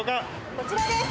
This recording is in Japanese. こちらです！